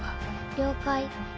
了解。